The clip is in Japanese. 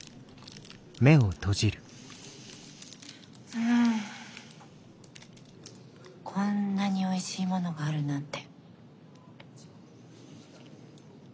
うんこんなにおいしいものがあるなんて。